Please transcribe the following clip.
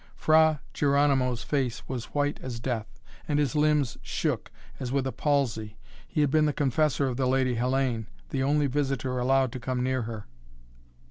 Fra Geronimo's face was white as death, and his limbs shook as with a palsy. He had been the confessor of the Lady Hellayne, the only visitor allowed to come near her.